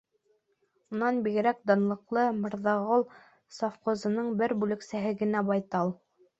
Унан бигерәк, данлыҡлы Мырҙағол совхозының бер бүлексәһе генә Байтал.